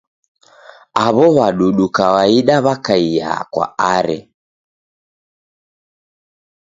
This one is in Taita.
Aw'o w'adudu kawaida w'akaia kwa Are.